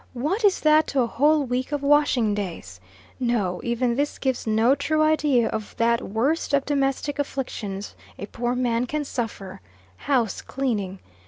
What is that to a whole week of washing days? No, even this gives no true idea of that worst of domestic afflictions a poor man can suffer house cleaning.